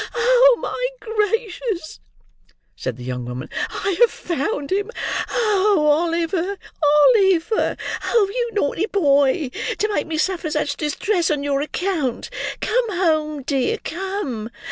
"Oh my gracious!" said the young woman, "I have found him! Oh! Oliver! Oliver! Oh you naughty boy, to make me suffer such distress on your account! Come home, dear, come.